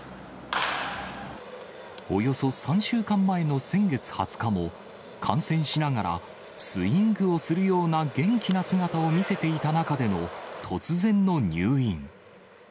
およそ３週間前の先月２０日も、観戦しながら、スイングをするような元気な姿を見せていた中での突然の入院。